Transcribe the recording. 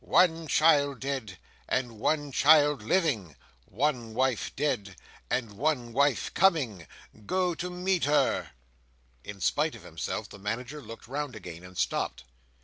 "One child dead, and one child living: one wife dead, and one wife coming. Go and meet her!" In spite of himself, the Manager looked round again, and stopped.